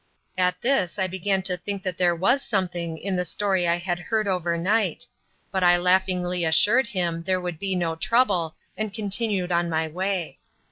At this I began to think that there was something in the story I had heard overnight, but I laughingly assured him there would be no trouble and continued on my way.